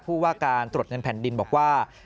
ผู้ว่าการตรวจเงินแผ่นดินบอกว่า